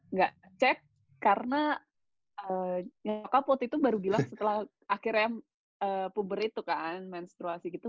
nggak cek karena nggak kapot itu baru bilang setelah akhirnya puber itu kan menstruasi gitu